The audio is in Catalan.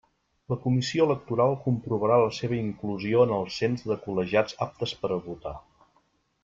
La Comissió electoral comprovarà la seua inclusió en el cens de col·legiats aptes per a votar.